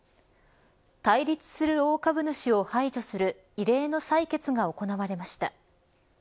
対立する大株主を排除する異例の採決が行われました。